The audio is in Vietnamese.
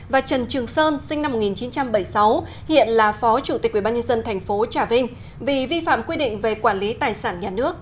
và trần trường sơn sinh năm một nghìn chín trăm bảy mươi sáu hiện là phó chủ tịch ubnd tp trà vinh vì vi phạm quy định về quản lý tài sản nhà nước